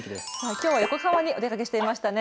きょうは横浜にお出かけしていましたね。